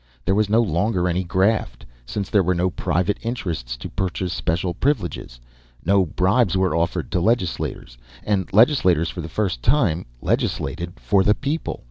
There was no longer any graft. Since there were no private interests to purchase special privileges, no bribes were offered to legislators, and legislators for the first time legislated for the people.